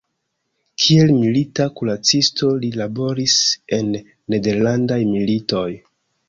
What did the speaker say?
Kiel milita kuracisto li laboris en nederlandaj militoj.